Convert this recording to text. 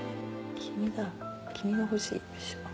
君だ君が欲しい。